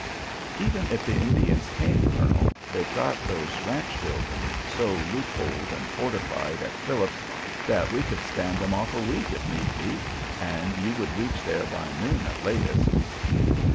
"Even if the Indians came, colonel, they've got those ranch buildings so loop holed and fortified at Phillips's that we could stand them off a week if need be, and you would reach there by noon at latest."